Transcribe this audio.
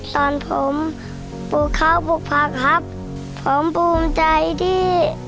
ตอนผมปลูกข้าวปลูกผักครับผมภูมิใจที่